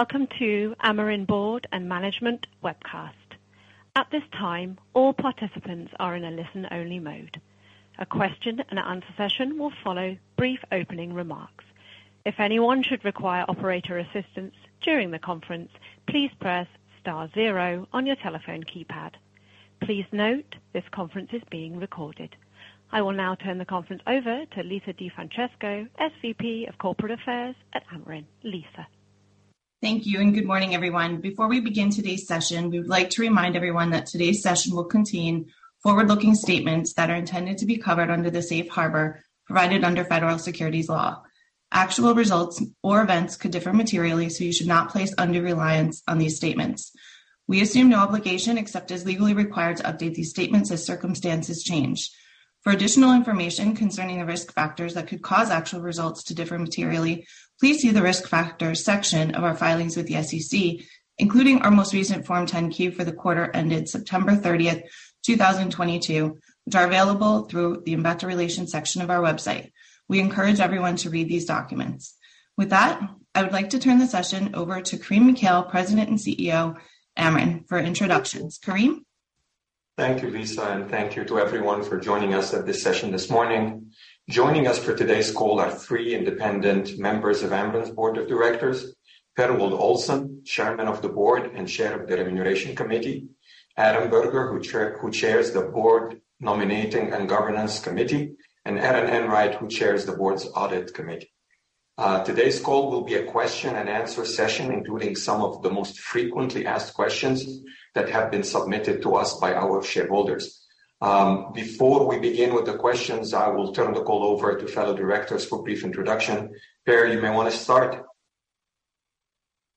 Welcome to Amarin board and management webcast. At this time, all participants are in a listen-only mode. A question and answer session will follow brief opening remarks. If anyone should require operator assistance during the conference, please press star zero on your telephone keypad. Please note this conference is being recorded. I will now turn the conference over to Lisa DeFrancesco, SVP of corporate affairs at Amarin. Lisa. Thank you and good morning, everyone. Before we begin today's session, we would like to remind everyone that today's session will contain forward-looking statements that are intended to be covered under the safe harbor provided under Federal Securities law. Actual results or events could differ materially, so you should not place undue reliance on these statements. We assume no obligation except as legally required to update these statements as circumstances change. For additional information concerning the risk factors that could cause actual results to differ materially, please see the Risk Factors section of our filings with the SEC, including our most recent Form 10-Q for the quarter ended September 30th, 2022, which are available through the Investor Relations section of our website. We encourage everyone to read these documents. With that, I would like to turn the session over to Karim Mikhail, President and CEO, Amarin for introductions. Karim. Thank you, Lisa. Thank you to everyone for joining us at this session this morning. Joining us for today's call are three independent members of Amarin's board of directors: Per Wold-Olsen, Chairman of the Board and Chair of the Remuneration Committee, Adam Berger, who chairs the Board Nominating and Governance Committee, and Erin Enright, who chairs the Board's Audit Committee. Today's call will be a question-and-answer session, including some of the most frequently asked questions that have been submitted to us by our shareholders. Before we begin with the questions, I will turn the call over to fellow directors for brief introduction. Per, you may want to start.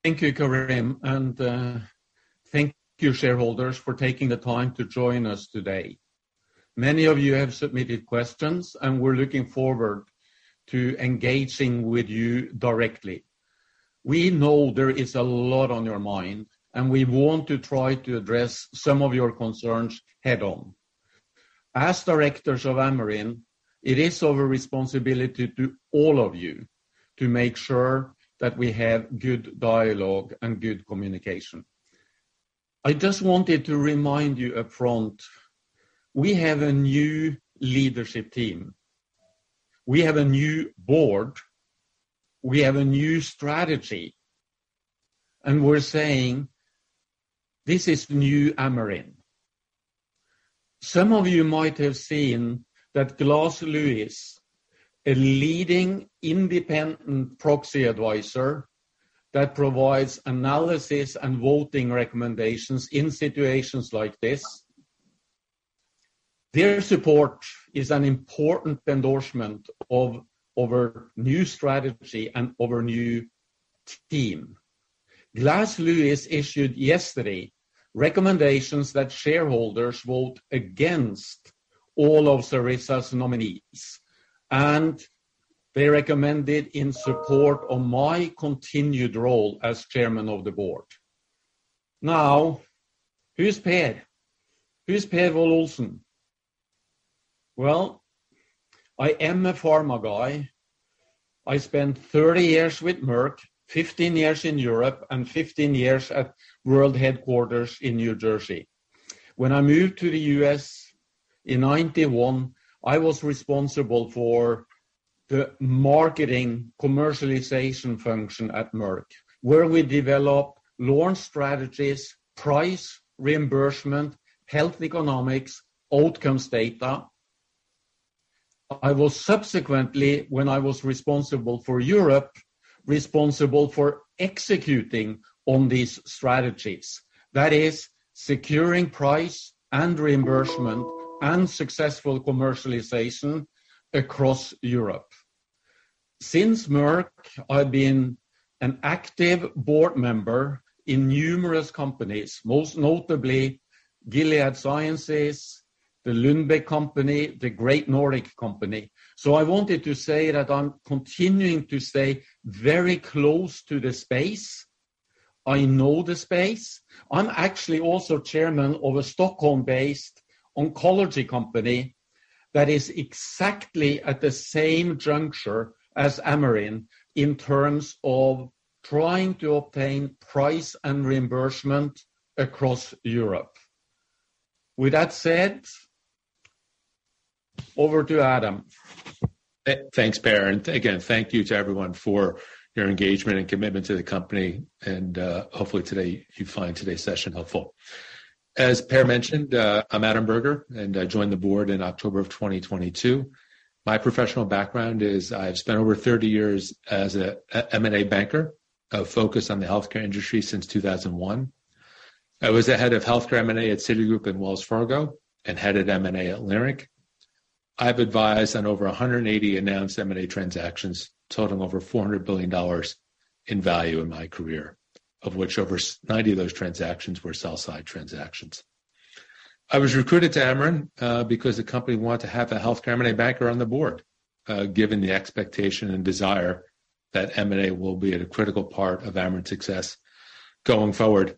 Thank you, Karim, and thank you, shareholders, for taking the time to join us today. Many of you have submitted questions, and we're looking forward to engaging with you directly. We know there is a lot on your mind, and we want to try to address some of your concerns head-on. As directors of Amarin, it is our responsibility to all of you to make sure that we have good dialogue and good communication. I just wanted to remind you upfront, we have a new leadership team. We have a new board, we have a new strategy, and we're saying, "This is new Amarin." Some of you might have seen that Glass Lewis, a leading independent proxy advisor that provides analysis and voting recommendations in situations like this. Their support is an important endorsement of our new strategy and our new team. Glass Lewis issued yesterday recommendations that shareholders vote against all of Sarissa's nominees, and they recommended in support of my continued role as Chairman of the Board. Now, who's Per? Who's Per Wold-Olsen? Well, I am a pharma guy. I spent 30 years with Merck, 15 years in Europe, and 15 years at World Headquarters in New Jersey. When I moved to the U.S. in 1991, I was responsible for the marketing commercialization function at Merck, where we developed launch strategies, price reimbursement, health economics, outcomes data. I was subsequently, when I was responsible for Europe, responsible for executing on these strategies. That is securing price and reimbursement and successful commercialization across Europe. Since Merck, I've been an active board member in numerous companies, most notably Gilead Sciences, the Lundbeck Company, the Great Nordic Company. I wanted to say that I'm continuing to stay very close to the space. I know the space. I'm actually also chairman of a Stockholm-based oncology company that is exactly at the same juncture as Amarin in terms of trying to obtain price and reimbursement across Europe. With that said, over to Adam. Thanks, Per. Again, thank you to everyone for your engagement and commitment to the company. Hopefully today you find today's session helpful. As Per mentioned, I'm Adam Berger, and I joined the board in October of 2022. My professional background is I've spent over 30 years as a M&A banker, focused on the healthcare industry since 2001. I was the head of healthcare M&A at Citigroup in Wells Fargo and headed M&A at Lyric. I've advised on over 180 announced M&A transactions, totaling over $400 billion in value in my career, of which over 90 of those transactions were sell-side transactions. I was recruited to Amarin because the company wanted to have a healthcare M&A banker on the board, given the expectation and desire that M&A will be a critical part of Amarin's success going forward.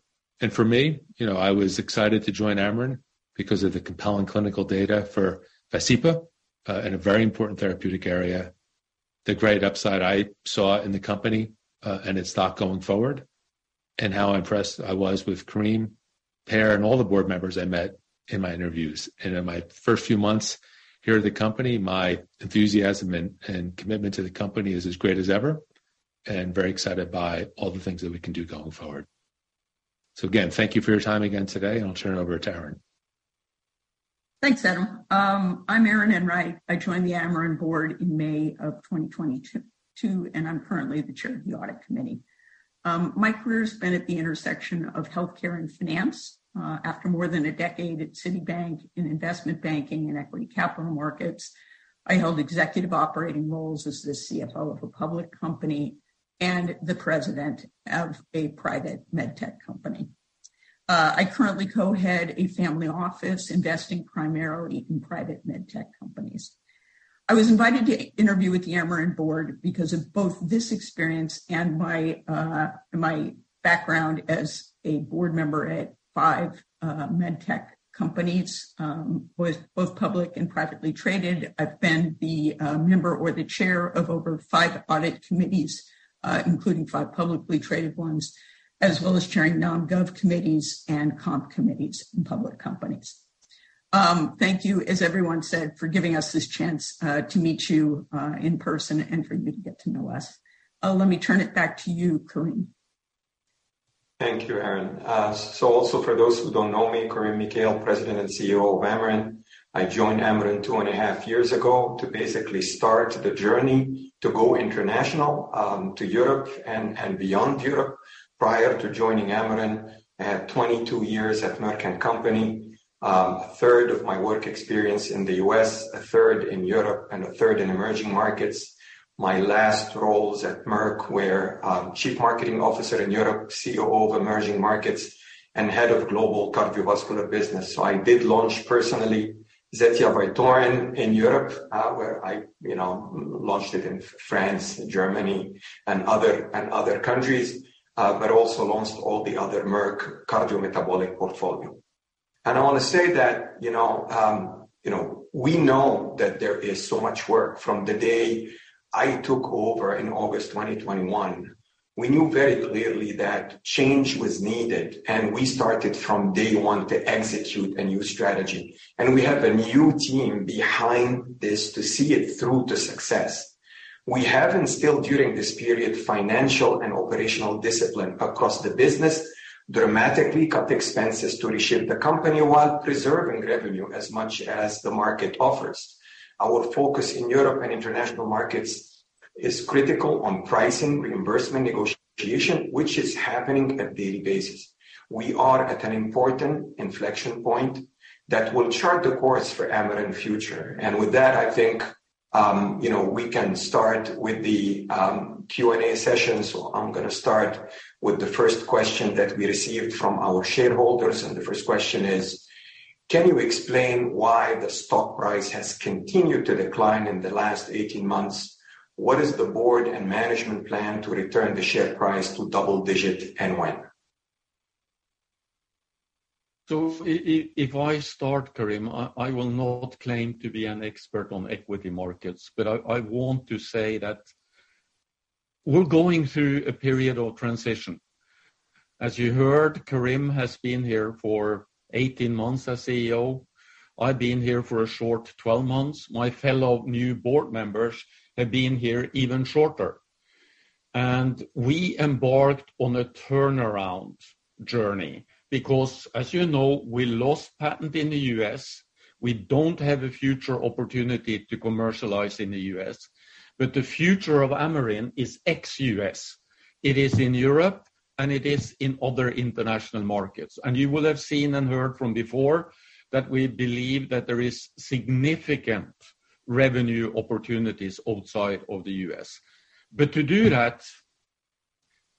For me, you know, I was excited to join Amarin because of the compelling clinical data for VASCEPA in a very important therapeutic area. The great upside I saw in the company and its stock going forward, and how impressed I was with Karim, Per, and all the board members I met in my interviews. In my first few months here at the company, my enthusiasm and commitment to the company is as great as ever, and very excited by all the things that we can do going forward. Again, thank you for your time again today, and I'll turn it over to Erin. Thanks, Adam. I'm Erin Enright. I joined the Amarin board in May of 2022. I'm currently the Chair of the Audit Committee. My career has been at the intersection of healthcare and finance. After more than a decade at Citibank in investment banking and equity capital markets, I held executive operating roles as the CFO of a public company and the president of a private med tech company. I currently co-head a family office investing primarily in private med tech companies. I was invited to interview with the Amarin board because of both this experience and my background as a board member at five med tech companies with both public and privately traded. I've been the member or the chair of over five audit committees, including five publicly traded ones, as well as chairing non-gov committees and comp committees in public companies. Thank you, as everyone said, for giving us this chance to meet you in person and for you to get to know us. Let me turn it back to you, Karim. Thank you, Erin. Also for those who don't know me, Karim Mikhail, President and CEO of Amarin. I joined Amarin two and a half years ago to basically start the journey to go international, to Europe and beyond Europe. Prior to joining Amarin, I had 22 years at Merck & Co.. A third of my work experience in the U.S., a third in Europe, and a third in emerging markets. My last roles at Merck were Chief Marketing Officer in Europe, CEO of Emerging Markets, and head of Global Cardiovascular Business. I did launch personally Zetia, Vytorin in Europe, where I, you know, launched it in France, Germany, and other, and other countries, but also launched all the other Merck cardiometabolic portfolio. I wanna say that, you know, we know that there is so much work. From the day I took over in August 2021, we knew very clearly that change was needed. We started from day one to execute a new strategy. We have a new team behind this to see it through to success. We have instilled during this period, financial and operational discipline across the business, dramatically cut expenses to reshift the company while preserving revenue as much as the market offers. Our focus in Europe and international markets is critical on pricing, reimbursement, negotiation, which is happening at daily basis. We are at an important inflection point that will chart the course for Amarin future. With that, I think, you know, we can start with the Q&A session. I'm gonna start with the first question that we received from our shareholders, and the first question is: can you explain why the stock price has continued to decline in the last 18 months? What is the board and management plan to return the share price to double digit and when? If I start, Karim, I will not claim to be an expert on equity markets, but I want to say that we're going through a period of transition. As you heard, Karim has been here for 18 months as CEO. I've been here for a short 12 months. My fellow new board members have been here even shorter. We embarked on a turnaround journey because, as you know, we lost patent in the U.S. We don't have a future opportunity to commercialize in the U.S., but the future of Amarin is ex-U.S. It is in Europe, and it is in other international markets. You will have seen and heard from before that we believe that there is significant revenue opportunities outside of the U.S. To do that,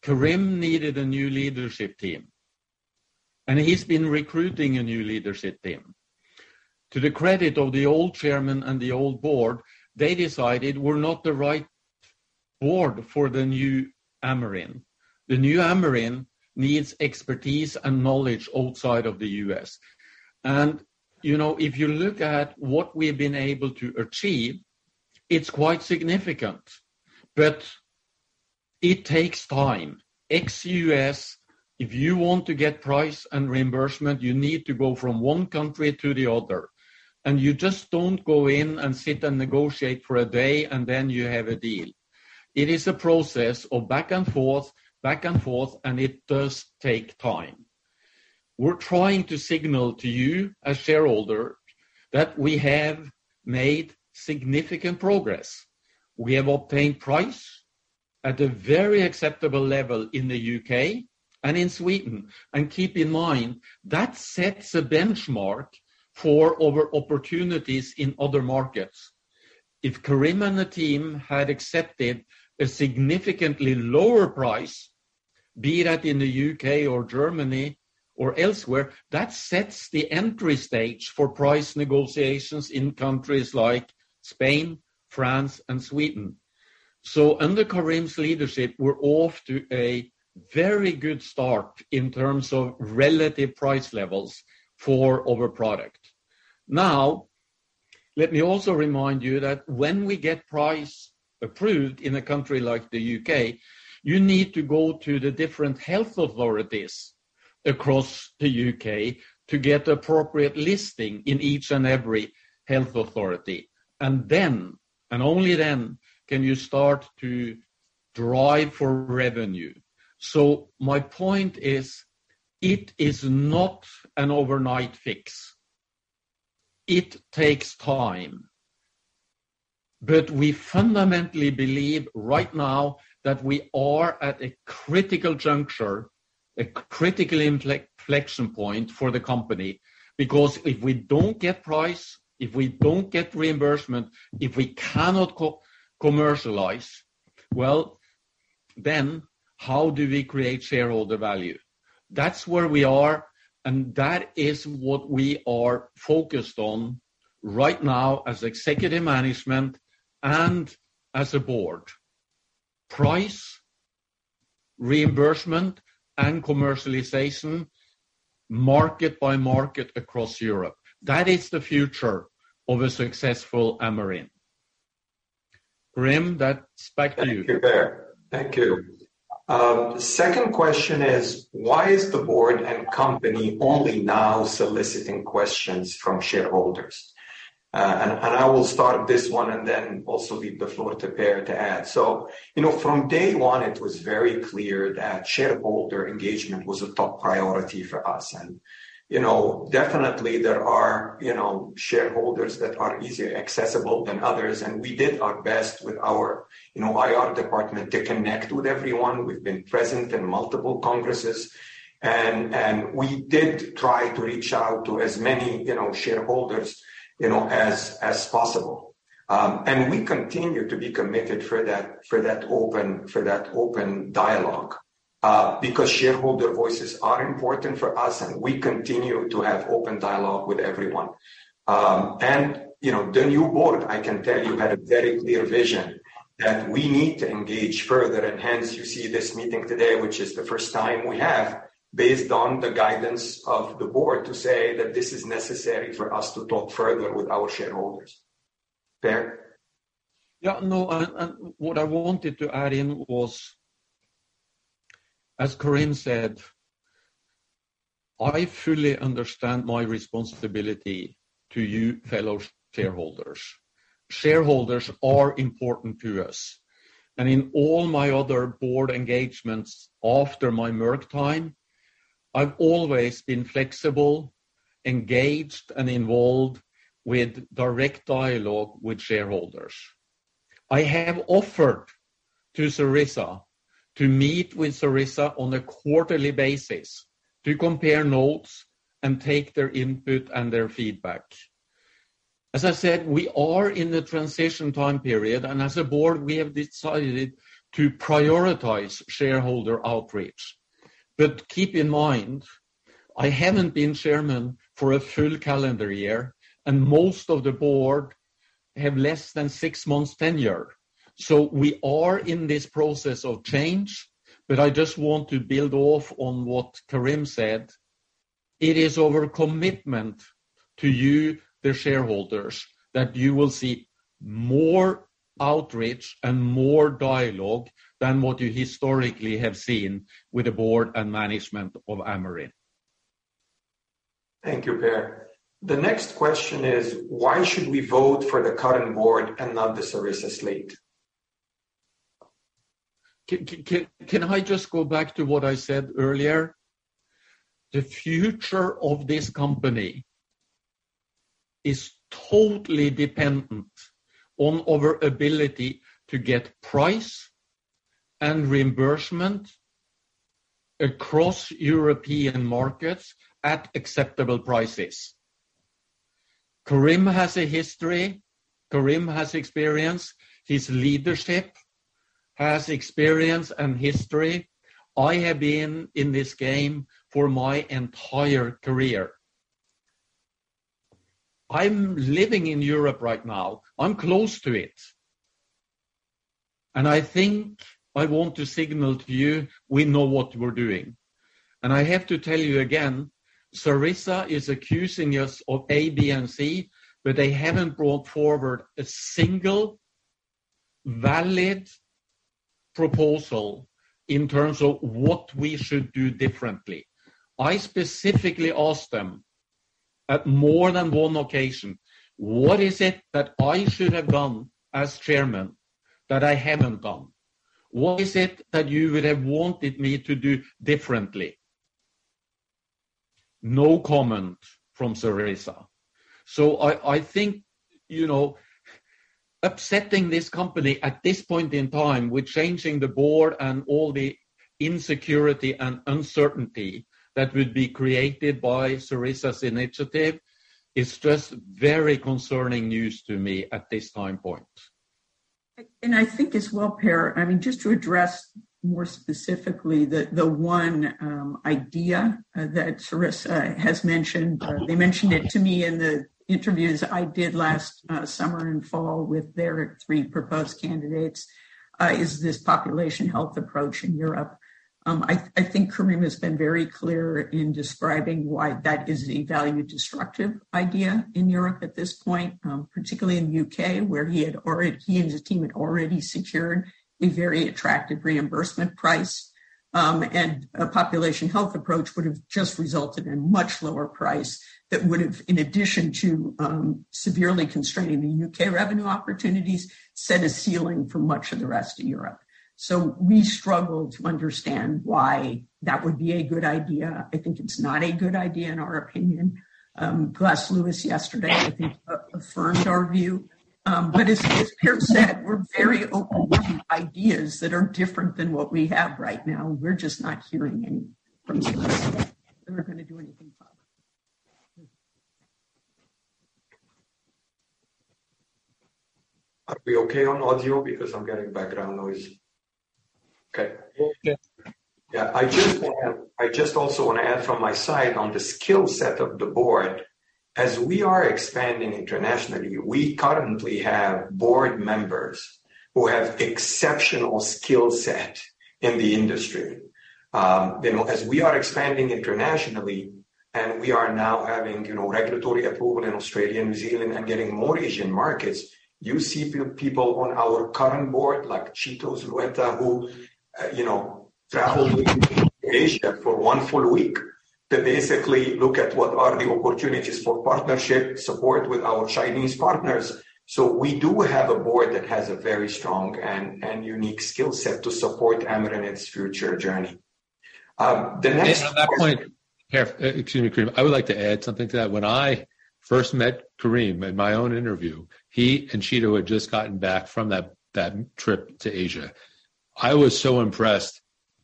Karim needed a new leadership team, and he's been recruiting a new leadership team. To the credit of the old chairman and the old board, they decided we're not the right board for the new Amarin. The new Amarin needs expertise and knowledge outside of the U.S. You know, if you look at what we've been able to achieve, it's quite significant. It takes time. Ex-U.S., if you want to get price and reimbursement, you need to go from one country to the other. You just don't go in and sit and negotiate for a day, and then you have a deal. It is a process of back and forth, back and forth, and it does take time. We're trying to signal to you, as shareholder, that we have made significant progress. We have obtained price at a very acceptable level in the U.K. and in Sweden. Keep in mind, that sets a benchmark for our opportunities in other markets. If Karim and the team had accepted a significantly lower price, be that in the U.K. or Germany, or elsewhere, that sets the entry stage for price negotiations in countries like Spain, France, and Sweden. Under Karim's leadership, we're off to a very good start in terms of relative price levels for our product. Let me also remind you that when we get price approved in a country like the U.K., you need to go to the different health authorities across the U.K. to get appropriate listing in each and every health authority. Then, and only then can you start to drive for revenue. My point is, it is not an overnight fix. It takes time. We fundamentally believe right now that we are at a critical juncture, a critical inflection point for the company. If we don't get price, if we don't get reimbursement, if we cannot co-commercialize, well, then how do we create shareholder value? That's where we are, and that is what we are focused on right now as executive management and as a board. Price, reimbursement, and commercialization, market by market across Europe. That is the future of a successful Amarin. Karim, back to you. Thank you, Per. Thank you. Second question is, why is the board and company only now soliciting questions from shareholders? I will start this one and then also leave the floor to Per to add. You know, from day one, it was very clear that shareholder engagement was a top priority for us. You know, definitely there are, you know, shareholders that are easier accessible than others. We did our best with our, you know, IR department to connect with everyone. We've been present in multiple congresses. We did try to reach out to as many, you know, shareholders, you know, as possible. We continue to be committed for that open dialogue, because shareholder voices are important for us, and we continue to have open dialogue with everyone. You know, the new board, I can tell you, had a very clear vision that we need to engage further. Hence you see this meeting today, which is the first time we have based on the guidance of the board to say that this is necessary for us to talk further with our shareholders. Per. Yeah, no. What I wanted to add in was, as Karim said, I fully understand my responsibility to you fellow shareholders. Shareholders are important to us. In all my other board engagements after my Merck time, I've always been flexible, engaged, and involved with direct dialogue with shareholders. I have offered to Sarissa to meet with Sarissa on a quarterly basis to compare notes and take their input and their feedback. As I said, we are in a transition time period, and as a board, we have decided to prioritize shareholder outreach. Keep in mind, I haven't been chairman for a full calendar year, and most of the board have less than six months tenure. We are in this process of change, but I just want to build off on what Karim said. It is our commitment to you, the shareholders, that you will see more outreach and more dialogue than what you historically have seen with the board and management of Amarin. Thank you, Per. The next question is, why should we vote for the current board and not the Sarissa slate? Can I just go back to what I said earlier? The future of this company is totally dependent on our ability to get price and reimbursement across European markets at acceptable prices. Karim has a history, Karim has experience. His leadership has experience and history. I have been in this game for my entire career. I'm living in Europe right now. I'm close to it. I think I want to signal to you we know what we're doing. I have to tell you again, Sarissa is accusing us of A, B, and C, but they haven't brought forward a single valid proposal in terms of what we should do differently. I specifically asked them at more than one occasion, "What is it that I should have done as chairman that I haven't done? What is it that you would have wanted me to do differently?" No comment from Sarissa. I think, you know, upsetting this company at this point in time with changing the board and all the insecurity and uncertainty that would be created by Sarissa's initiative is just very concerning news to me at this time point. I think as well, Per, I mean, just to address more specifically the one idea that Sarissa has mentioned. They mentioned it to me in the interviews I did last summer and fall with their three proposed candidates, is this population health approach in Europe. I think Karim has been very clear in describing why that is a value-destructive idea in Europe at this point, particularly in the U.K., where he and his team had already secured a very attractive reimbursement price. A population health approach would have just resulted in much lower price that would have, in addition to, severely constraining the U.K. revenue opportunities, set a ceiling for much of the rest of Europe. We struggle to understand why that would be a good idea. I think it's not a good idea, in our opinion. Glass Lewis yesterday, I think, affirmed our view. As Per said, we're very open to ideas that are different than what we have right now. We're just not hearing any from Sarissa that are going to do anything about it. Are we okay on audio because I'm getting background noise? Okay. Yes. Yeah. I just also want to add from my side on the skill set of the board. As we are expanding internationally, we currently have board members who have exceptional skill set in the industry. You know, as we are expanding internationally and we are now having, you know, regulatory approval in Australia and New Zealand and getting more Asian markets, you see people on our current board, like Alfonso Zulueta, who, you know, travel to Asia for one full week to basically look at what are the opportunities for partnership support with our Chinese partners. We do have a board that has a very strong and unique skill set to support Amarin in its future journey. The next- On that point. Per. Excuse me, Karim. I would like to add something to that. When I first met Karim in my own interview, he and Chito had just gotten back from that trip to Asia. I was so impressed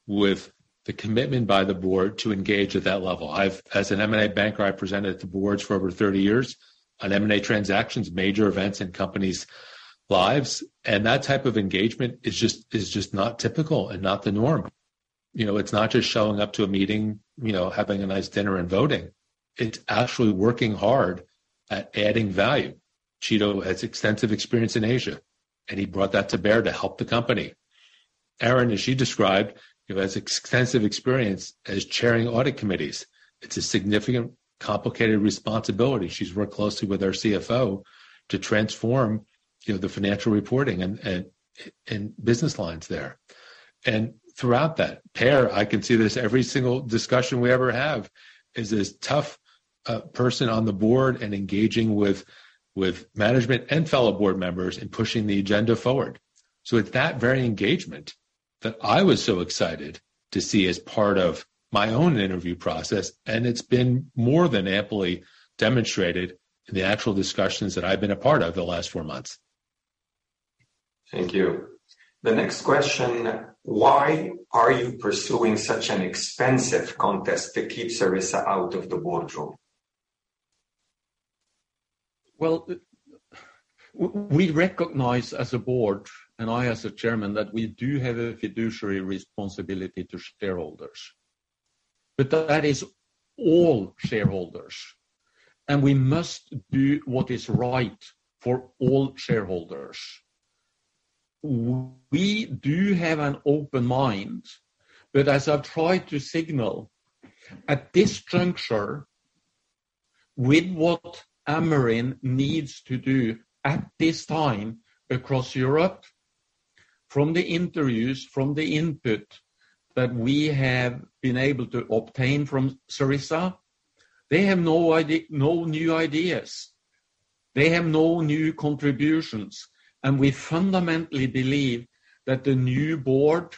with the commitment by the board to engage at that level. As an M&A banker, I presented to boards for over 30 years on M&A transactions, major events in companies' lives, and that type of engagement is just not typical and not the norm. You know, it's not just showing up to a meeting, you know, having a nice dinner and voting. It's actually working hard at adding value. Chito has extensive experience in Asia, and he brought that to bear to help the company. Erin, as she described, you know, has extensive experience as chairing Audit Committees. It's a significant, complicated responsibility. She's worked closely with our CFO to transform, you know, the financial reporting and business lines there. Throughout that, Per, I can see this every single discussion we ever have, is this tough person on the board and engaging with management and fellow board members in pushing the agenda forward. It's that very engagement that I was so excited to see as part of my own interview process, and it's been more than amply demonstrated in the actual discussions that I've been a part of the last four months. Thank you. The next question: Why are you pursuing such an expensive contest to keep Sarissa out of the boardroom? Well, we recognize as a board, and I as the chairman, that we do have a fiduciary responsibility to shareholders, but that is all shareholders, and we must do what is right for all shareholders. We do have an open mind, but as I've tried to signal at this juncture with what Amarin needs to do at this time across Europe, from the interviews, from the input that we have been able to obtain from Sarissa, they have no idea, no new ideas. They have no new contributions. We fundamentally believe that the new board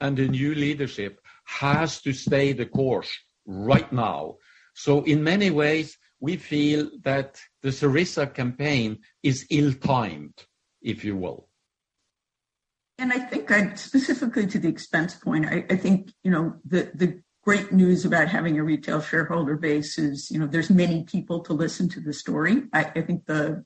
and the new leadership has to stay the course right now. In many ways, we feel that the Sarissa campaign is ill-timed, if you will. I think specifically to the expense point, I think, you know, the great news about having a retail shareholder base is, you know, there's many people to listen to the story. I think the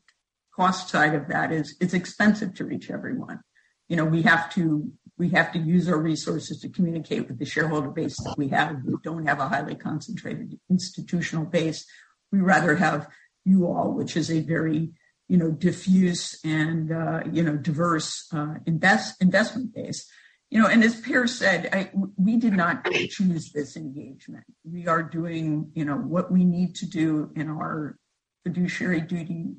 cost side of that is it's expensive to reach everyone. You know, we have to use our resources to communicate with the shareholder base that we have. We don't have a highly concentrated institutional base. We rather have you all, which is a very, you know, diffuse and, you know, diverse investment base. You know, and as Per said, we did not choose this engagement. We are doing, you know, what we need to do in our fiduciary duty,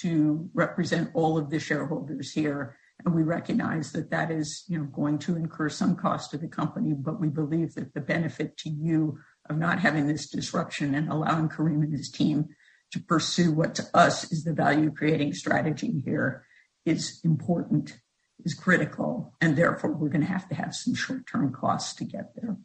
to represent all of the shareholders here. We recognize that that is, you know, going to incur some cost to the company. We believe that the benefit to you of not having this disruption and allowing Karim and his team to pursue what to us is the value-creating strategy here is important, is critical, and therefore we're going to have to have some short-term costs to get there.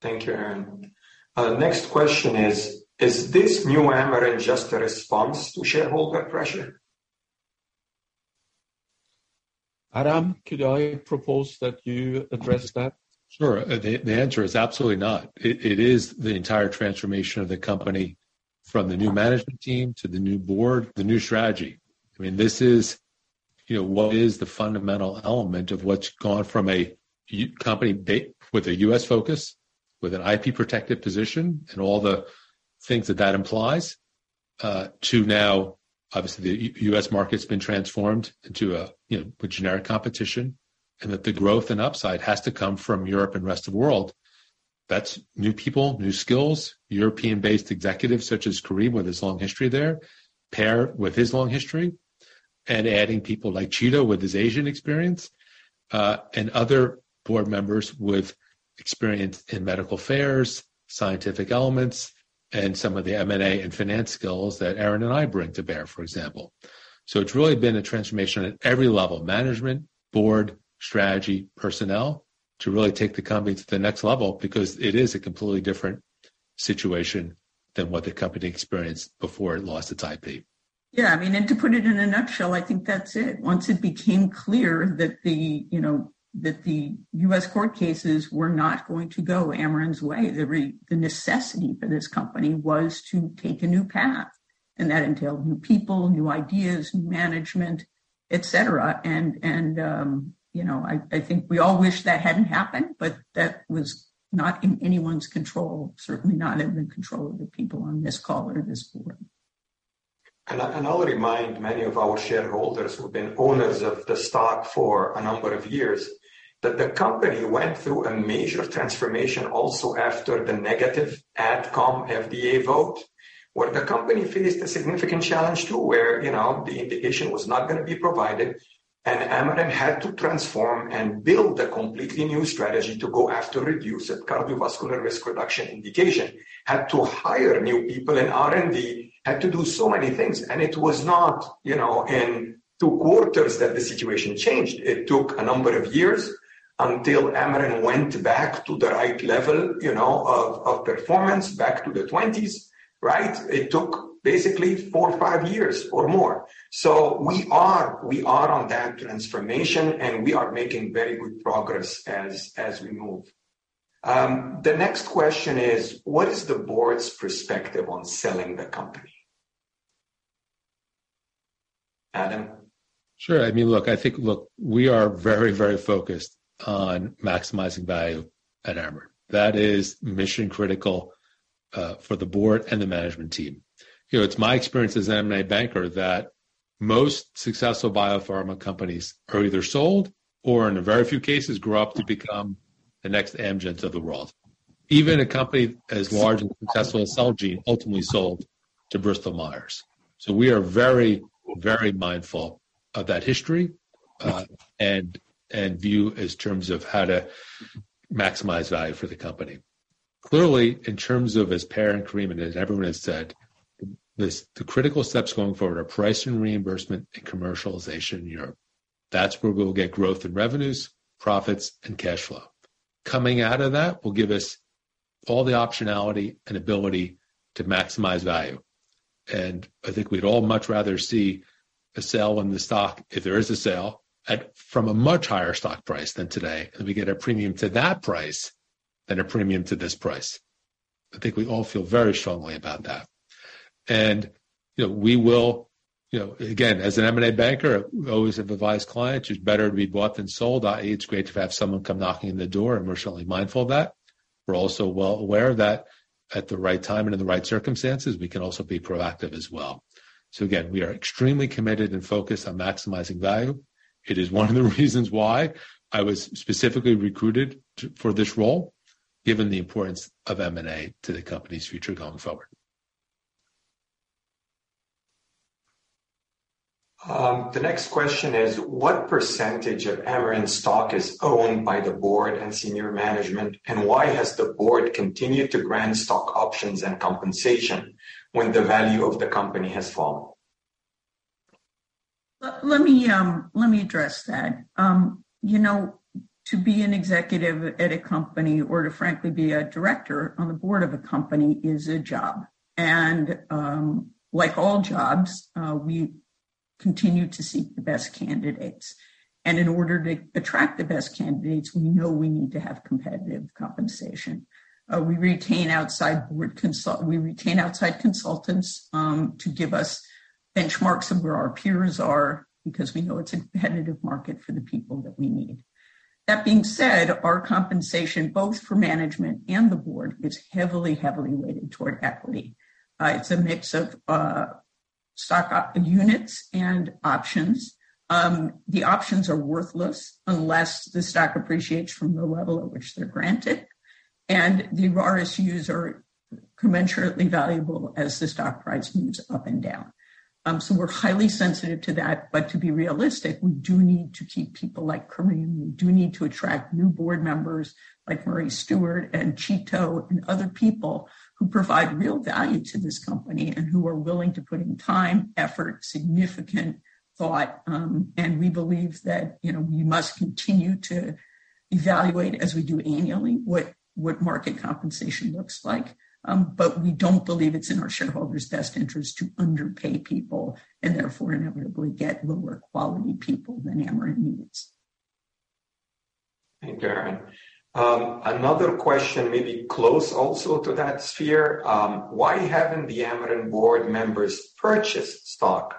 Thank you, Erin. Next question is: Is this new Amarin just a response to shareholder pressure? Adam, could I propose that you address that? Sure. The, the answer is absolutely not. It, it is the entire transformation of the company from the new management team to the new board, the new strategy. I mean, this is, you know, what is the fundamental element of what's gone from a company with a U.S. focus, with an IP protected position and all the things that that implies, to now obviously the U.S. market's been transformed into a, you know, a generic competition. That the growth and upside has to come from Europe and rest of the world. That's new people, new skills, European-based executives such as Karim, with his long history there, Per with his long history, and adding people like Chito with his Asian experience, and other board members with experience in medical affairs, scientific elements, and some of the M&A and finance skills that Erin and I bring to bear, for example. It's really been a transformation at every level, management, board, strategy, personnel, to really take the company to the next level because it is a completely different situation than what the company experienced before it lost its IP. Yeah. I mean, to put it in a nutshell, I think that's it. Once it became clear that, you know, the U.S. court cases were not going to go Amarin's way, the necessity for this company was to take a new path, and that entailed new people, new ideas, new management, et cetera. You know, I think we all wish that hadn't happened, but that was not in anyone's control, certainly not in the control of the people on this call or this board. I'll remind many of our shareholders who've been owners of the stock for a number of years that the company went through a major transformation also after the negative AdCom FDA vote, where the company faced a significant challenge to where, you know, the indication was not gonna be provided, and Amarin had to transform and build a completely new strategy to go after reduced cardiovascular risk reduction indication. Had to hire new people in R&D, had to do so many things. It was not, you know, in two quarters that the situation changed. It took a number of years until Amarin went back to the right level, you know, of performance back to the twenties, right? It took basically four or five years or more. We are on that transformation, and we are making very good progress as we move. The next question is, what is the board's perspective on selling the company? Adam? Sure. I mean, look, we are very, very focused on maximizing value at Amarin. That is mission-critical for the board and the management team. You know, it's my experience as an M&A banker that most successful biopharma companies are either sold or, in a very few cases, grow up to become the next [Amgens] of the world. Even a company as large and successful as Celgene ultimately sold to Bristol Myers. We are very, very mindful of that history and view as terms of how to maximize value for the company. Clearly, in terms of, as Per and Karim and as everyone has said, this, the critical steps going forward are price and reimbursement and commercialization in Europe. That's where we'll get growth in revenues, profits, and cash flow. Coming out of that will give us all the optionality and ability to maximize value. I think we'd all much rather see a sale in the stock, if there is a sale, at, from a much higher stock price than today, and we get a premium to that price than a premium to this price. I think we all feel very strongly about that. You know, we will. You know, again, as an M&A banker, I always have advised clients it's better to be bought than sold. It's great to have someone come knocking on the door, and we're certainly mindful of that. We're also well aware that at the right time and in the right circumstances, we can also be proactive as well. Again, we are extremely committed and focused on maximizing value. It is one of the reasons why I was specifically recruited to, for this role, given the importance of M&A to the company's future going forward. The next question is, what percentage of Amarin stock is owned by the board and senior management, and why has the board continued to grant stock options and compensation when the value of the company has fallen? Let me address that. You know, to be an executive at a company or to frankly be a director on the board of a company is a job. Like all jobs, we continue to seek the best candidates. In order to attract the best candidates, we know we need to have competitive compensation. We retain outside consultants to give us benchmarks of where our peers are because we know it's a competitive market for the people that we need. That being said, our compensation, both for management and the board, is heavily weighted toward equity. It's a mix of stock op units and options. The options are worthless unless the stock appreciates from the level at which they're granted, and the RSUs are commensurately valuable as the stock price moves up and down. We're highly sensitive to that. To be realistic, we do need to keep people like Karim Mikhail, and we do need to attract new board members like Murray Stewart and Chito and other people who provide real value to this company and who are willing to put in time, effort, significant thought. We believe that, you know, we must continue to evaluate, as we do annually, what market compensation looks like. We don't believe it's in our shareholders' best interest to underpay people and therefore inevitably get lower quality people than Amarin needs. Thank you, Erin. Another question, maybe close also to that sphere. Why haven't the Amarin board members purchased stock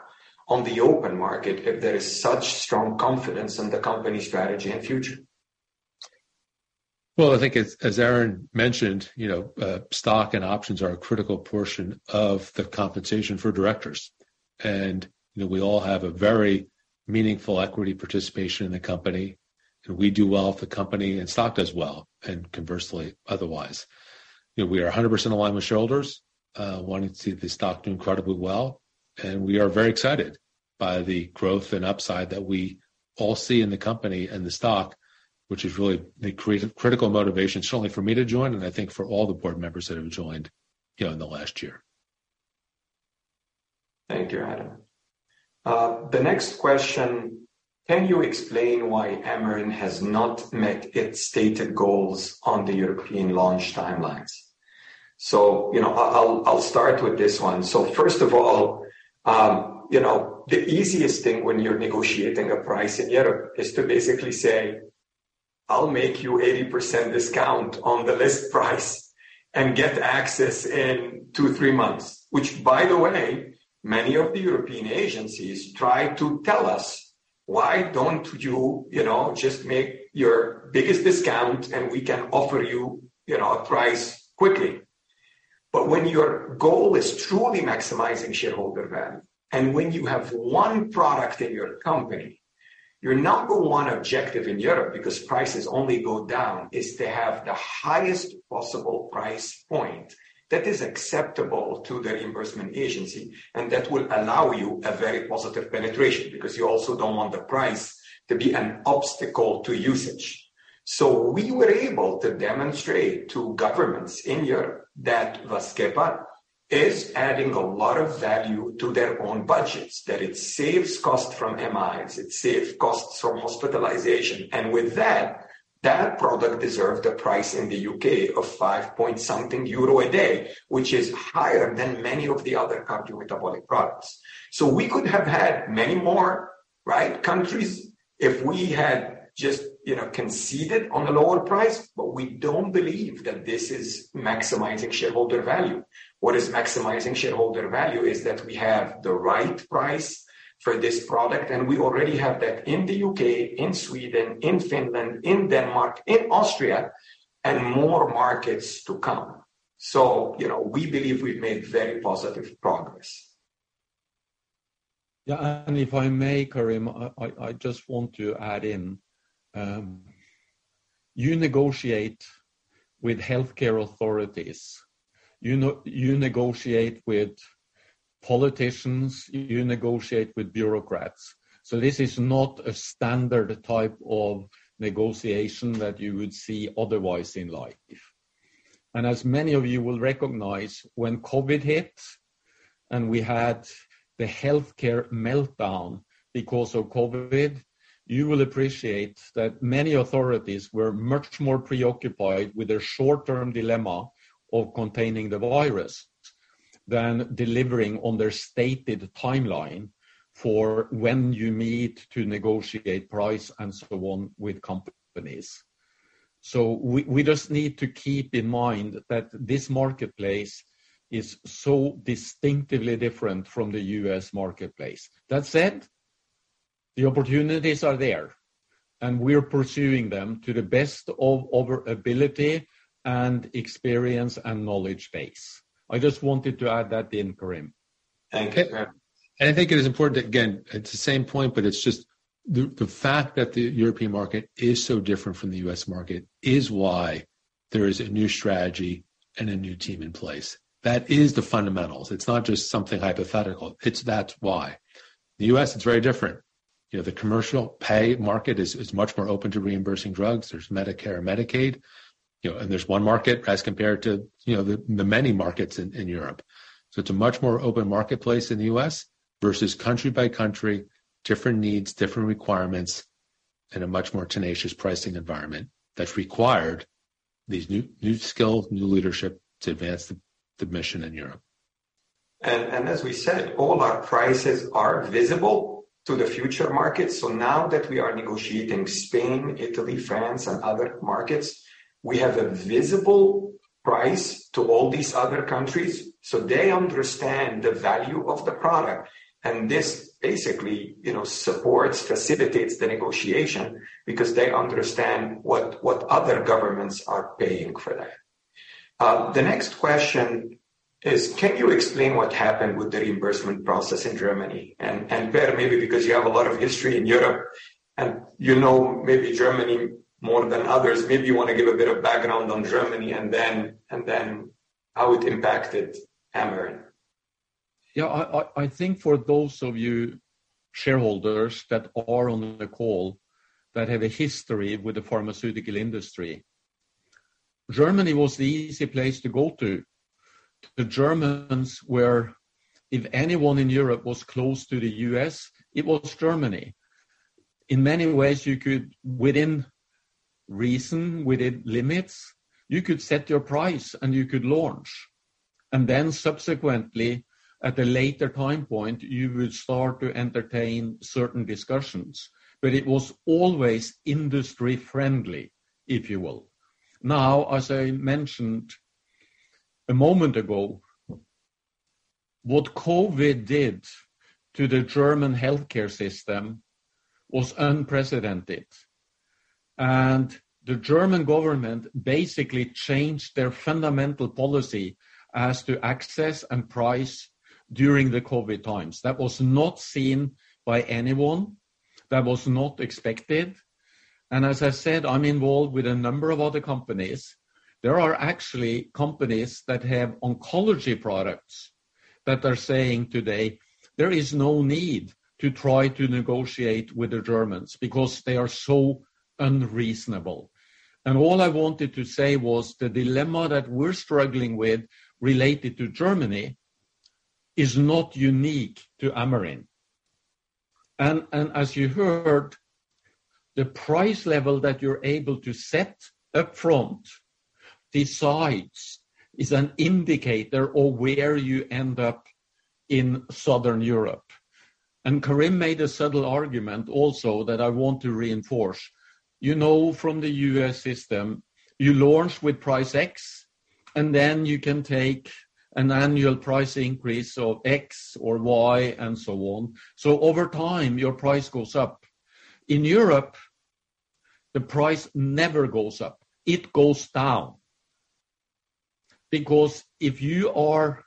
on the open market if there is such strong confidence in the company strategy and future? Well, I think as Erin mentioned, you know, stock and options are a critical portion of the compensation for directors. You know, we all have a very meaningful equity participation in the company, and we do well if the company and stock does well, and conversely otherwise. You know, we are 100% aligned with shareholders, wanting to see the stock do incredibly well. We are very excited by the growth and upside that we all see in the company and the stock, which is really the critical motivation certainly for me to join, and I think for all the board members that have joined, you know, in the last year. Thank you, Adam. The next question: Can you explain why Amarin has not met its stated goals on the European launch timelines? You know, I'll start with this one. First of all, you know, the easiest thing when you're negotiating a price in Europe is to basically say, "I'll make you 80% discount on the list price and get access in two, three months." Which by the way, many of the European agencies try to tell us, "Why don't you know, just make your biggest discount and we can offer you know, a price quickly." When your goal is truly maximizing shareholder value, and when you have 1 product in your company, your number one objective in Europe, because prices only go down, is to have the highest possible price point that is acceptable to the reimbursement agency and that will allow you a very positive penetration, because you also don't want the price to be an obstacle to usage. We were able to demonstrate to governments in Europe that VASCEPA is adding a lot of value to their own budgets, that it saves costs from MIs, it saves costs from hospitalization. With that product deserved a price in the U.K of five point something EUR a day, which is higher than many of the other company metabolic products. We could have had many more, right, countries if we had just, you know, conceded on a lower price, but we don't believe that this is maximizing shareholder value. What is maximizing shareholder value is that we have the right price for this product, and we already have that in the U.K, in Sweden, in Finland, in Denmark, in Austria, and more markets to come. You know, we believe we've made very positive progress. Yeah. If I may, Karim, I just want to add in, you negotiate with healthcare authorities, you negotiate with politicians, you negotiate with bureaucrats. This is not a standard type of negotiation that you would see otherwise in life. As many of you will recognize when COVID hit and we had the healthcare meltdown because of COVID, you will appreciate that many authorities were much more preoccupied with their short-term dilemma of containing the virus than delivering on their stated timeline for when you meet to negotiate price and so on with companies. We just need to keep in mind that this marketplace is so distinctively different from the U.S. marketplace. That said, the opportunities are there, and we're pursuing them to the best of our ability and experience and knowledge base. I just wanted to add that in, Karim. Thank you, Per. I think it is important, again, it's the same point, but it's just the fact that the European market is so different from the U.S. market is why there is a new strategy and a new team in place. That is the fundamentals. It's not just something hypothetical. It's that's why. The U.S. is very different. You know, the commercial pay market is much more open to reimbursing drugs. There's Medicare, Medicaid, you know, and there's one market as compared to, you know, the many markets in Europe. It's a much more open marketplace in the U.S. versus country by country, different needs, different requirements, and a much more tenacious pricing environment that's required these new skills, new leadership to advance the mission in Europe. As we said, all our prices are visible to the future markets. Now that we are negotiating Spain, Italy, France and other markets, we have a visible price to all these other countries, so they understand the value of the product. This basically, you know, supports, facilitates the negotiation because they understand what other governments are paying for that. The next question is: Can you explain what happened with the reimbursement process in Germany? Per Wold-Olsen, maybe because you have a lot of history in Europe and you know maybe Germany more than others, maybe you wanna give a bit of background on Germany and then how it impacted Amarin. Yeah. I think for those of you shareholders that are on the call that have a history with the pharmaceutical industry, Germany was the easy place to go to. If anyone in Europe was close to the U.S., it was Germany. In many ways, you could, within reason, within limits, you could set your price and you could launch. Subsequently, at a later time point, you will start to entertain certain discussions. It was always industry-friendly, if you will. Now, as I mentioned a moment ago, what COVID did to the German healthcare system was unprecedented. The German government basically changed their fundamental policy as to access and price during the COVID times. That was not seen by anyone. That was not expected. As I said, I'm involved with a number of other companies. There are actually companies that have oncology products that are saying today there is no need to try to negotiate with the Germans because they are so unreasonable. All I wanted to say was the dilemma that we're struggling with related to Germany is not unique to Amarin. As you heard, the price level that you're able to set up front decides is an indicator of where you end up in Southern Europe. Karim Mikhail made a subtle argument also that I want to reinforce. You know from the U.S. system, you launch with price X, and then you can take an annual price increase of X or Y and so on. Over time, your price goes up. In Europe, the price never goes up, it goes down. If you are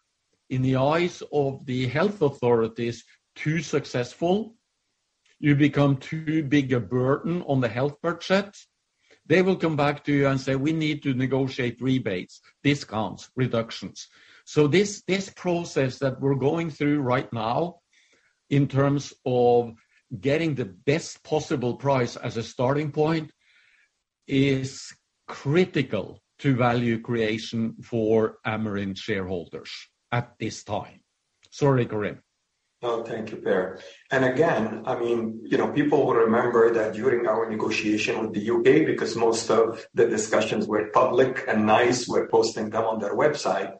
in the eyes of the health authorities too successful, you become too big a burden on the health budget, they will come back to you and say, "We need to negotiate rebates, discounts, reductions. " This process that we're going through right now in terms of getting the best possible price as a starting point is critical to value creation for Amarin shareholders at this time. Sorry, Karim. No, thank you, Per. I mean, you know, people will remember that during our negotiation with the U.K., because most of the discussions were public and NICE were posting them on their website,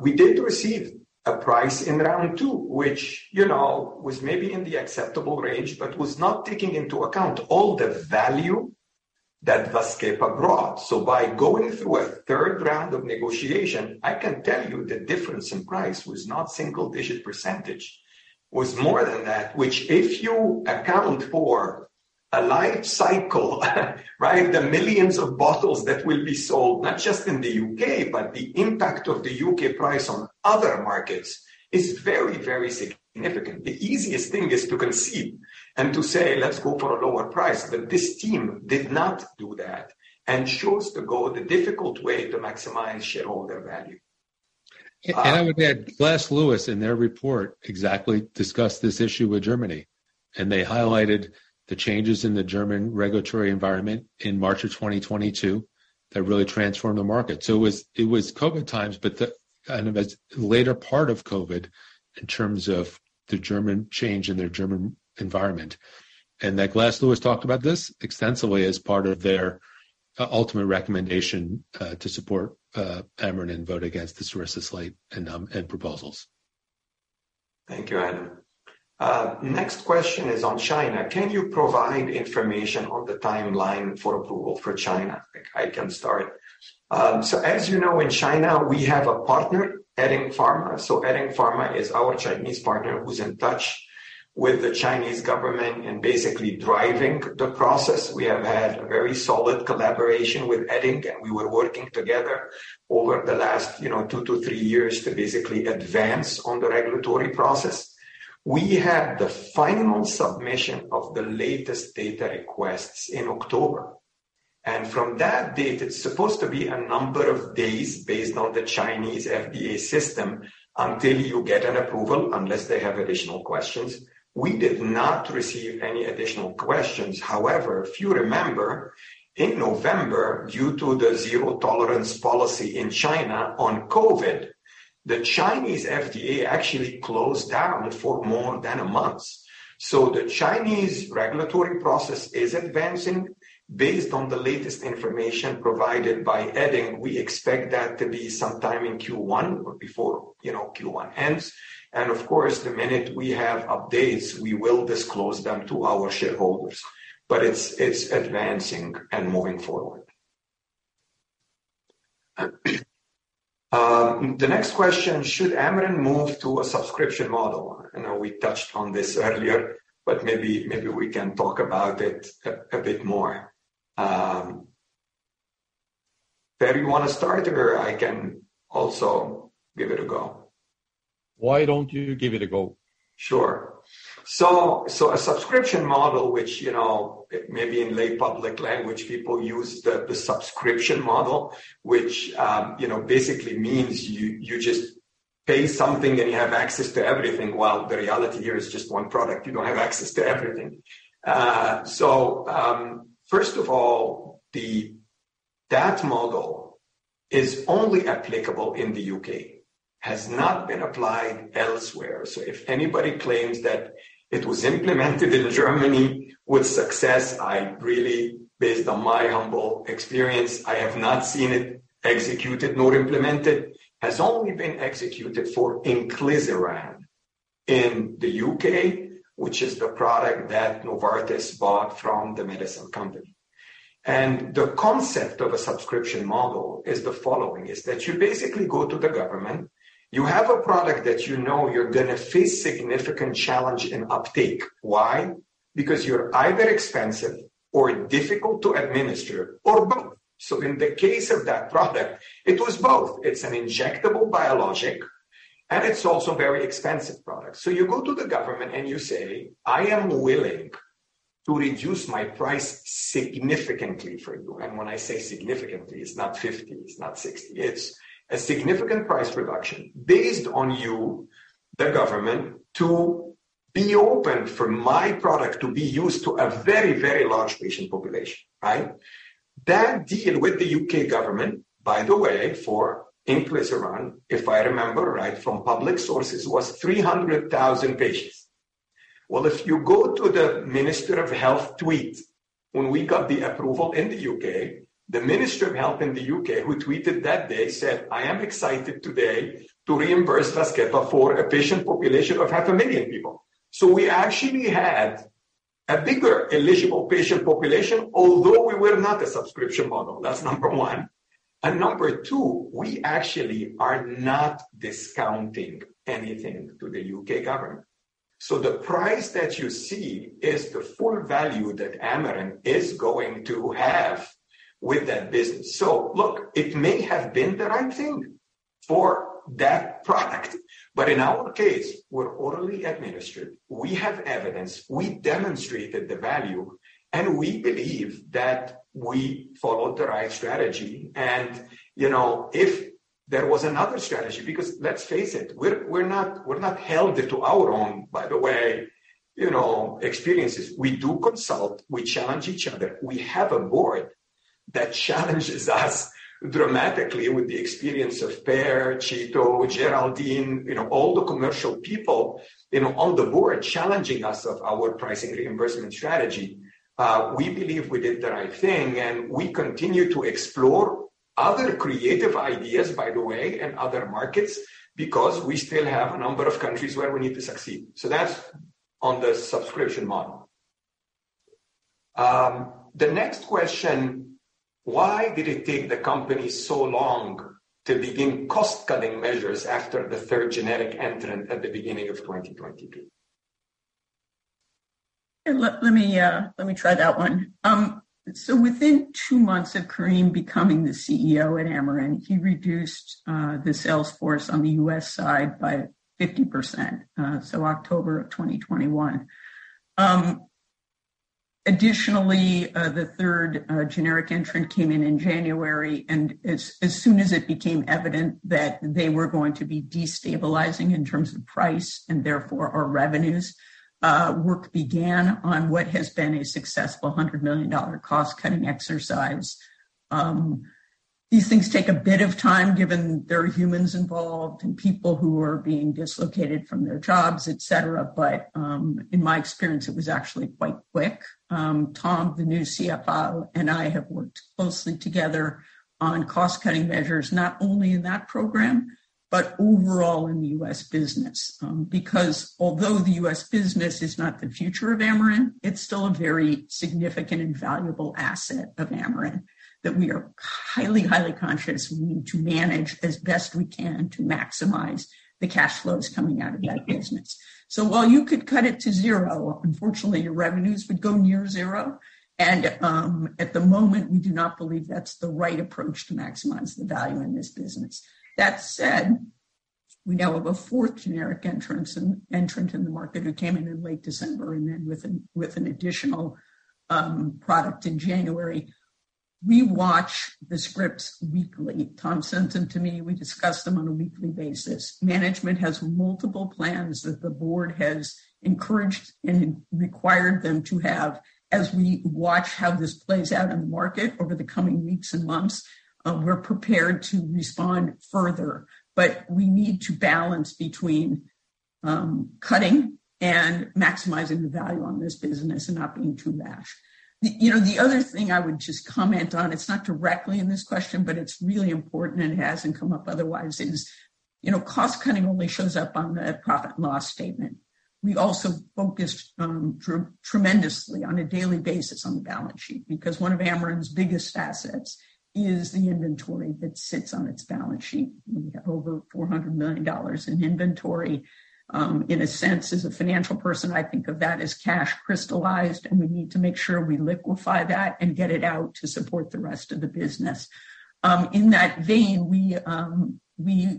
we did receive a price in round two, which, you know, was maybe in the acceptable range, but was not taking into account all the value that VASCEPA brought. By going through a third round of negotiation, I can tell you the difference in price was not single-digit %. It was more than that, which if you account for a lifecycle, right, the millions of bottles that will be sold, not just in the U.K., but the impact of the U.K. price on other markets is very, very significant. The easiest thing is to concede and to say, "Let's go for a lower price. " This team did not do that and chose to go the difficult way to maximize shareholder value. I would add Glass Lewis in their report exactly discussed this issue with Germany, and they highlighted the changes in the German regulatory environment in March of 2022 that really transformed the market. It was COVID times, but kind of as later part of COVID in terms of the German change in their German environment. Glass Lewis talked about this extensively as part of their ultimate recommendation to support Amarin and vote against the source of slight and proposals. Thank you, Adam. Next question is on China. Can you provide information on the timeline for approval for China? I can start. As you know, in China, we have a partner, Eddingpharm. Eddingpharm is our Chinese partner who's in touch with the Chinese government and basically driving the process. We have had a very solid collaboration with Eddingpharm, and we were working together over the last, you know, two to three years to basically advance on the regulatory process. We had the final submission of the latest data requests in October. From that date, it's supposed to be a number of days based on the Chinese FDA system until you get an approval, unless they have additional questions. We did not receive any additional questions. If you remember, in November, due to the zero-tolerance policy in China on COVID, the Chinese FDA actually closed down for more than a month. The Chinese regulatory process is advancing based on the latest information provided by Edding. We expect that to be sometime in Q1 or before, you know, Q1 ends. Of course, the minute we have updates, we will disclose them to our shareholders. It's advancing and moving forward. The next question, should Amarin move to a subscription model? I know we touched on this earlier, but maybe we can talk about it a bit more. Per, you want to start, or I can also give it a go? Why don't you give it a go? Sure. A subscription model, which, you know, maybe in lay public language, people use the subscription model, which, you know, basically means you just pay something and you have access to everything. While the reality here is just one product, you don't have access to everything. First of all, that model is only applicable in the U.K. Has not been applied elsewhere. If anybody claims that it was implemented in Germany with success, I really, based on my humble experience, I have not seen it executed nor implemented. Has only been executed for inclisiran in the U.K., which is the product that Novartis bought from The Medicines Company. The concept of a subscription model is the following, is that you basically go to the government, you have a product that you know you're gonna face significant challenge in uptake. Why? You're either expensive or difficult to administer or both. In the case of that product, it was both. It's an injectable biologic, and it's also very expensive product. You go to the government and you say, "I am willing to reduce my price significantly for you." When I say significantly, it's not 50, it's not 60. It's a significant price reduction based on you, the government, to be open for my product to be used to a very, very large patient population, right? That deal with the U.K. government, by the way, for Inclisiran, if I remember right from public sources, was 300,000 patients. If you go to the Minister of Health tweet, when we got the approval in the U.K., the Minister of Health in the U.K., who tweeted that day, said, "I am excited today to reimburse VASCEPA for a patient population of half a million people." We actually had a bigger eligible patient population, although we were not a subscription model. That's number one. Number two, we actually are not discounting anything to the U.K. government. The price that you see is the full value that Amarin is going to have with that business. Look, it may have been the right thing for that product, but in our case, we're orally administered, we have evidence, we demonstrated the value, and we believe that we followed the right strategy. You know, if there was another strategy, because let's face it, we're not held to our own, by the way, you know, experiences. We do consult, we challenge each other. We have a board that challenges us dramatically with the experience of Per, Chito, Geraldine, you know, all the commercial people, you know, on the board challenging us of our pricing reimbursement strategy. We believe we did the right thing, and we continue to explore other creative ideas, by the way, in other markets, because we still have a number of countries where we need to succeed. That's on the subscription model. The next question, why did it take the company so long to begin cost-cutting measures after the third generic entrant at the beginning of 2022? Let me try that one. Within two months of Karim becoming the CEO at Amarin, he reduced the sales force on the U.S. side by 50%, so October of 2021. Additionally, the third generic entrant came in in January, as soon as it became evident that they were going to be destabilizing in terms of price and therefore our revenues, work began on what has been a successful $100 million cost-cutting exercise. These things take a bit of time, given there are humans involved and people who are being dislocated from their jobs, et cetera, but in my experience, it was actually quite quick. Tom, the new CFO, and I have worked closely together on cost-cutting measures, not only in that program, but overall in the U.S. business. Because although the U.S. business is not the future of Amarin, it's still a very significant and valuable asset of Amarin that we are highly conscious we need to manage as best we can to maximize the cash flows coming out of that business. While you could cut it to zero, unfortunately, your revenues would go near zero, and at the moment, we do not believe that's the right approach to maximize the value in this business. That said, we now have a fourth generic entrant in the market who came in in late December and then with an additional product in January. We watch the scripts weekly. Tom sends them to me. We discuss them on a weekly basis. Management has multiple plans that the board has encouraged and required them to have. As we watch how this plays out in the market over the coming weeks and months, we're prepared to respond further. We need to balance between cutting and maximizing the value on this business and not being too rash. You know, the other thing I would just comment on, it's not directly in this question, but it's really important and it hasn't come up otherwise, is, you know, cost-cutting only shows up on the profit loss statement. We also focused tremendously on a daily basis on the balance sheet, because one of Amarin's biggest assets is the inventory that sits on its balance sheet. We have over $400 million in inventory. In a sense, as a financial person, I think of that as cash crystallized, and we need to make sure we liquefy that and get it out to support the rest of the business. In that vein, we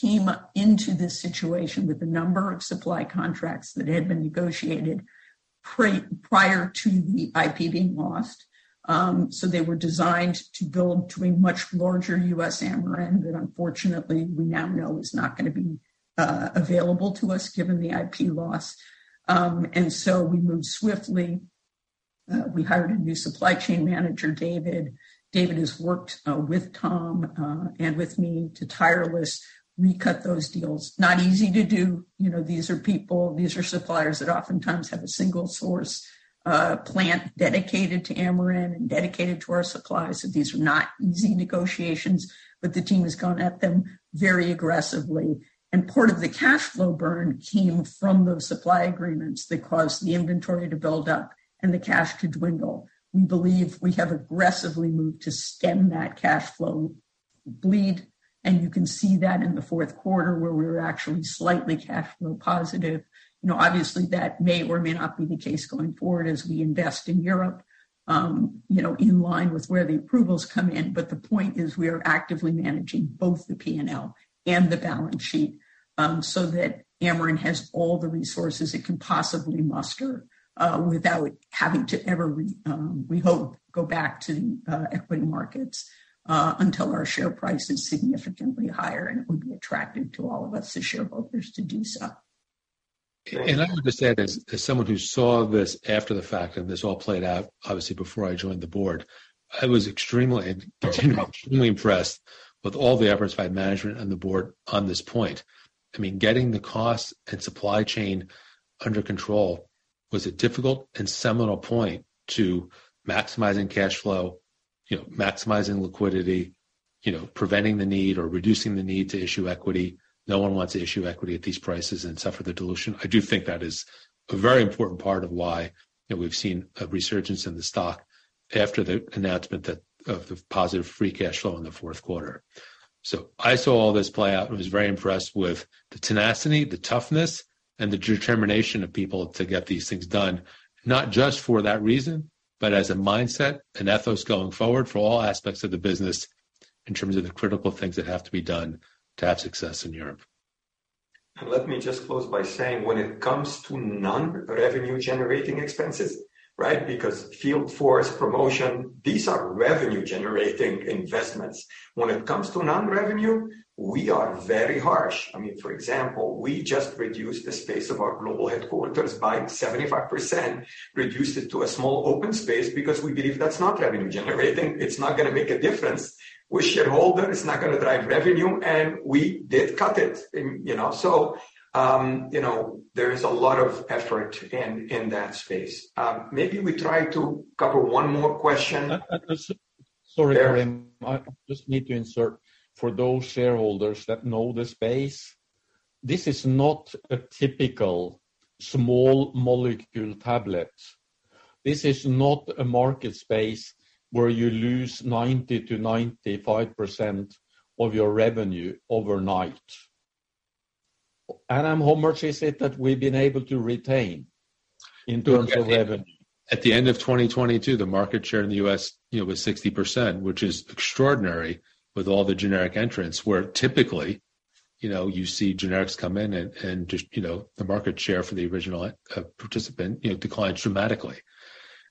came into this situation with a number of supply contracts that had been negotiated prior to the IP being lost. They were designed to build to a much larger U.S. Amarin that unfortunately we now know is not gonna be available to us given the IP loss. We moved swiftly. We hired a new supply chain manager, David. David has worked with Tom and with me to tirelessly recut those deals. Not easy to do. You know, these are people, these are suppliers that oftentimes have a single source plant dedicated to Amarin and dedicated to our supply. These were not easy negotiations, the team has gone at them very aggressively. Part of the cash flow burn came from those supply agreements that caused the inventory to build up and the cash to dwindle. We believe we have aggressively moved to stem that cash flow bleed, you can see that in the fourth quarter where we were actually slightly cash flow positive. You know, obviously that may or may not be the case going forward as we invest in Europe, you know, in line with where the approvals come in. The point is we are actively managing both the PNL and the balance sheet, so that Amarin has all the resources it can possibly muster, without having to ever we hope, go back to equity markets, until our share price is significantly higher and it would be attractive to all of us as shareholders to do so. I would just add, as someone who saw this after the fact, and this all played out obviously before I joined the board, I was extremely impressed with all the efforts by management and the board on this point. I mean, getting the cost and supply chain under control was a difficult and seminal point to maximizing cash flow, you know, maximizing liquidity, you know, preventing the need or reducing the need to issue equity. No one wants to issue equity at these prices and suffer the dilution. I do think that is a very important part of why, you know, we've seen a resurgence in the stock after the announcement that of the positive free cash flow in the fourth quarter. I saw all this play out and was very impressed with the tenacity, the toughness, and the determination of people to get these things done, not just for that reason, but as a mindset and ethos going forward for all aspects of the business in terms of the critical things that have to be done to have success in Europe. Let me just close by saying when it comes to non-revenue generating expenses, right? Because field force promotion, these are revenue-generating investments. When it comes to non-revenue, we are very harsh. I mean, for example, we just reduced the space of our global headquarters by 75%, reduced it to a small open space because we believe that's not revenue generating. It's not gonna make a difference with shareholders. It's not gonna drive revenue. We did cut it. You know. You know, there is a lot of effort in that space. Maybe we try to cover one more question. Sorry, Karim. I just need to insert for those shareholders that know the space, this is not a typical small molecule tablet. This is not a market space where you lose 90%-95% of your revenue overnight. Adam, how much is it that we've been able to retain in terms of revenue? At the end of 2022, the market share in the U.S., you know, was 60%, which is extraordinary with all the generic entrants where typically, you know, you see generics come in and just, you know, the market share for the original participant, you know, declines dramatically.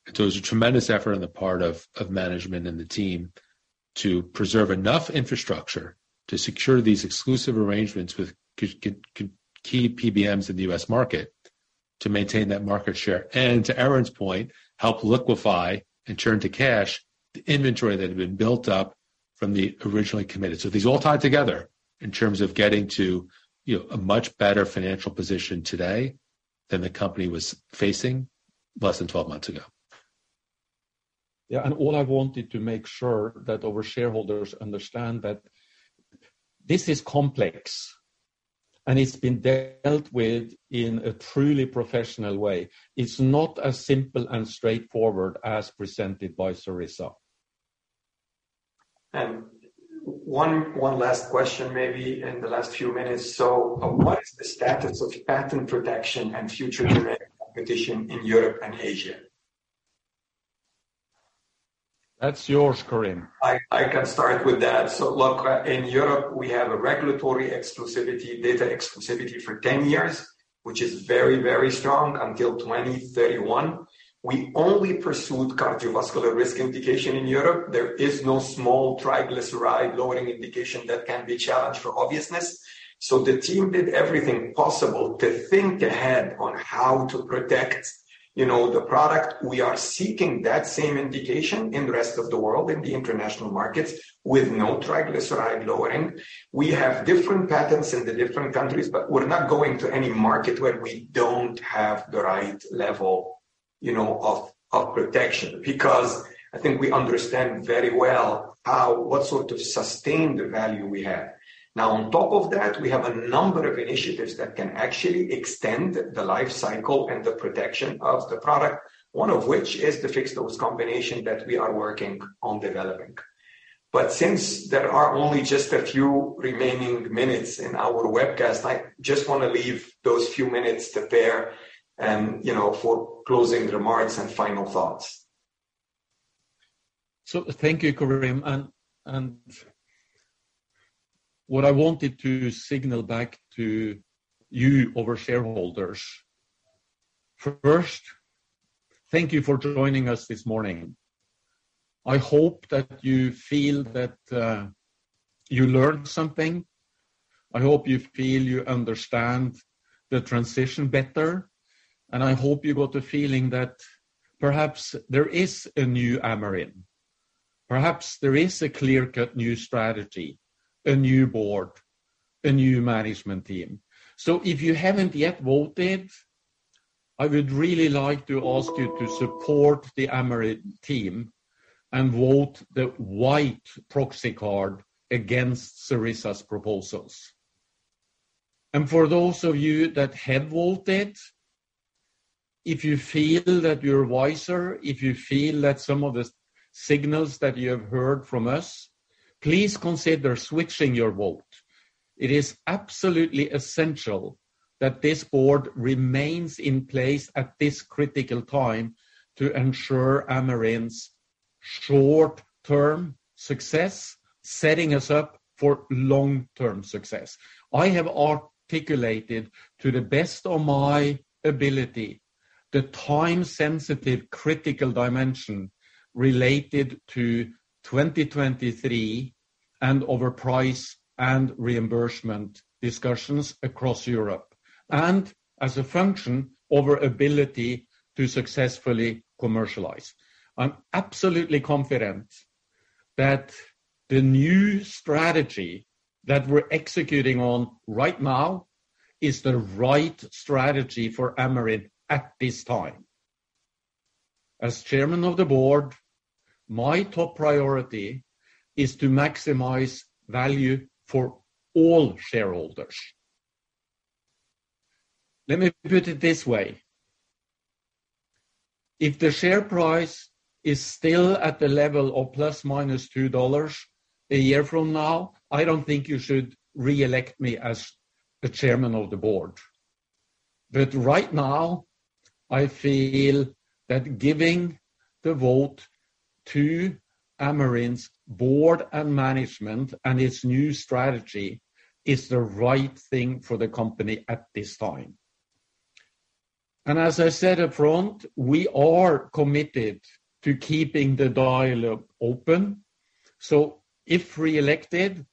It was a tremendous effort on the part of management and the team to preserve enough infrastructure to secure these exclusive arrangements with key PBMs in the U.S. market to maintain that market share. To Erin's point, help liquefy and turn to cash the inventory that had been built up from the originally committed. These all tied together in terms of getting to, you know, a much better financial position today than the company was facing less than 12 months ago. Yeah. All I wanted to make sure that our shareholders understand that this is complex, and it's been dealt with in a truly professional way. It's not as simple and straightforward as presented by Sarissa. One last question maybe in the last few minutes. What is the status of patent protection and future generic competition in Europe and Asia? That's yours, Karim. I can start with that. Look, in Europe, we have a regulatory exclusivity, data exclusivity for 10 years, which is very, very strong until 2031. We only pursued cardiovascular risk indication in Europe. There is no small triglyceride lowering indication that can be challenged for obviousness. The team did everything possible to think ahead on how to protect, you know, the product. We are seeking that same indication in the rest of the world, in the international markets with no triglyceride lowering. We have different patents in the different countries, but we're not going to any market where we don't have the right level, you know, of protection. I think we understand very well how what sort of sustained value we have. On top of that, we have a number of initiatives that can actually extend the life cycle and the protection of the product, one of which is the fixed-dose combination that we are working on developing. Since there are only just a few remaining minutes in our webcast, I just wanna leave those few minutes to Per, you know, for closing remarks and final thoughts. Thank you, Karim. What I wanted to signal back to you, our shareholders. First, thank you for joining us this morning. I hope that you feel that you learned something. I hope you feel you understand the transition better, and I hope you got the feeling that perhaps there is a new Amarin. Perhaps there is a clear-cut new strategy, a new board, a new management team. If you haven't yet voted, I would really like to ask you to support the Amarin team and vote the white proxy card against Sarissa's proposals. For those of you that have voted, if you feel that you're wiser, if you feel that some of the signals that you have heard from us, please consider switching your vote. It is absolutely essential that this board remains in place at this critical time to ensure Amarin's short-term success, setting us up for long-term success. I have articulated to the best of my ability the time-sensitive critical dimension related to 2023 and over price and reimbursement discussions across Europe, and as a function over ability to successfully commercialize. I'm absolutely confident that the new strategy that we're executing on right now is the right strategy for Amarin at this time. As Chairman of the Board, my top priority is to maximize value for all shareholders. Let me put it this way. If the share price is still at the level of ±$2 a year from now, I don't think you should re-elect me as the Chairman of the Board. Right now, I feel that giving the vote to Amarin's board and management and its new strategy is the right thing for the company at this time. As I said up front, we are committed to keeping the dialogue open. If re-elected,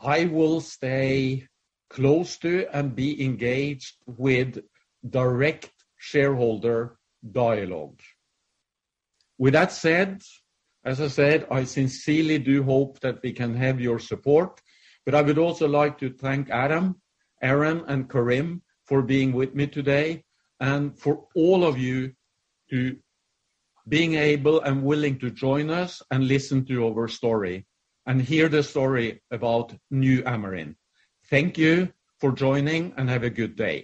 I will stay close to and be engaged with direct shareholder dialogue. With that said, as I said, I sincerely do hope that we can have your support. I would also like to thank Adam, Erin, and Karim for being with me today and for all of you to being able and willing to join us and listen to our story and hear the story about new Amarin. Thank you for joining and have a good day.